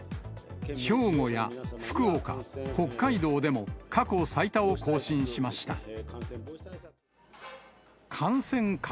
兵庫や福岡、北海道でも過去最多を更新しました。